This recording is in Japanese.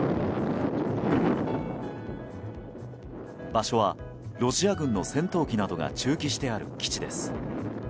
場所はロシア軍の戦闘機などが駐機してある基地です。